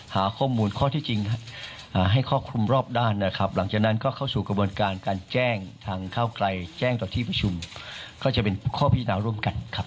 หาข้อมูลข้อที่จริงให้ครอบคลุมรอบด้านนะครับหลังจากนั้นก็เข้าสู่กระบวนการการแจ้งทางก้าวไกลแจ้งต่อที่ประชุมก็จะเป็นข้อพิจารณาร่วมกันครับ